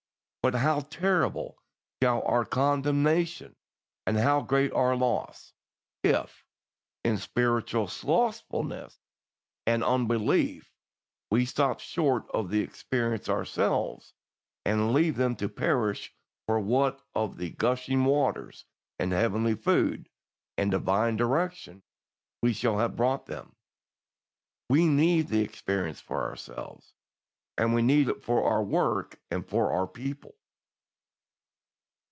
But how terrible shall be our condemnation, and how great our loss, if, in spiritual slothfulness and unbelief, we stop short of the experience ourselves and leave them to perish for want of the gushing waters and heavenly food and Divine direction we should have brought them! We need the experience for ourselves, and we need it for our work and for our people.